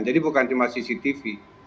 jadi bukan cuma cctv